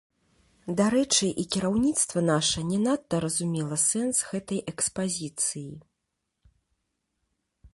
Дарэчы, і кіраўніцтва наша не надта разумела сэнс гэтай экспазіцыі.